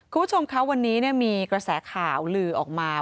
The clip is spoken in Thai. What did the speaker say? คุณผู้ชมคะวันนี้มีกระแสข่าวลือออกมา